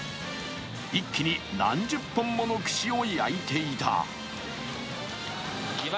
一気に何十本もの串を焼いていた。